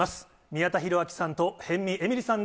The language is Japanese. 宮田裕章さんと、辺見えみりさん